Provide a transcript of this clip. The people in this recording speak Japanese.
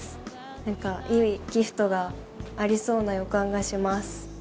何かいいギフトがありそうな予感がします。